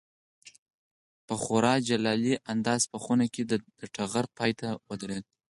په خورا جلالي انداز په خونه کې د ټغر پای ته ودرېد.